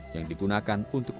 yang digunakan untuk